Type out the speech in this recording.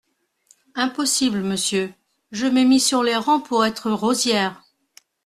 Impossible, monsieur, je m’ai mis sur les rangs pour être rosière.